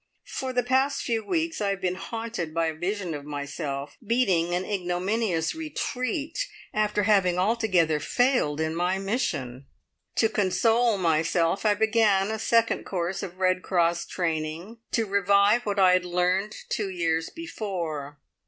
For the past few weeks I have been haunted by a vision of myself beating an ignominious retreat, after having altogether failed in my mission. To console myself I began a second course of Red Cross training, to revive what I had learnt two years before.